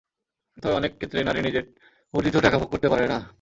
তবে অনেক ক্ষেত্রেই নারী নিজের অর্জিত টাকা ভোগ করতে পারে না।